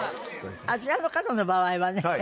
あちらの方の場合はね